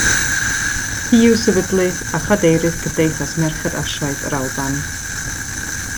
Hi yw sefydlydd a chadeirydd Cymdeithas Merched Asiaidd yr Alban.